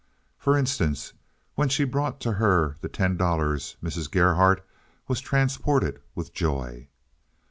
For instance, when she brought to her the ten dollars Mrs. Gerhardt was transported with joy.